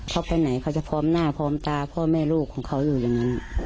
เขาไปไหนเขาจะพร้อมหน้าพร้อมตาพ่อแม่ลูกของเขาอยู่อย่างนั้น